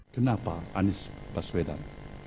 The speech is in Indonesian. kenapa anies baswedan